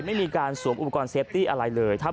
ไม่มีการสวมอุปกรณ์เซฟตี้อะไรเลย